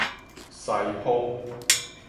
西方